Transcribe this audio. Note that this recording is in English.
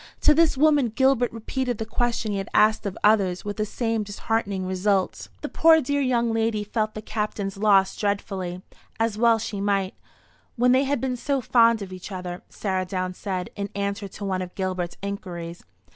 To this woman Gilbert repeated the question he had asked of others, with the same disheartening result. "The poor dear young lady felt the Captain's loss dreadfully; as well she might, when they had been so fond of each other," Sarah Down said, in answer to one of Gilbert's inquiries.